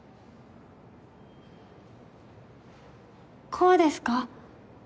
こうですか？